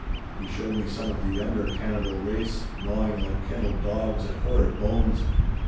(He showed me some of the younger cannibal race gnawing like kennelled dogs at horrid bones.)